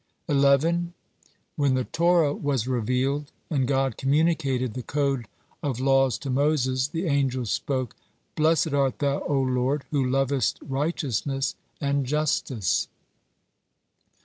11. When the Torah was revealed and God communicated the code of laws to Moses, the angels spoke: "Blessed art Thou, O Lord, who lovest righteousness and justice."